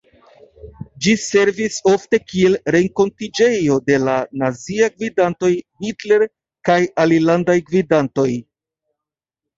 Ĝi servis ofte kiel renkontiĝejo de la naziaj gvidantoj, Hitler kaj alilandaj gvidantoj.